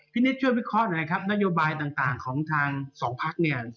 พี่นิดช่วยวิเคราะห์หน่อยครับนโยบายของทางสองแผท